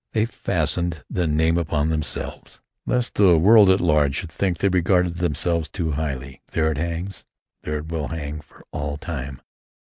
They fastened the name upon themselves, lest the world at large should think they regarded themselves too highly. There it hangs. There it will hang for all time.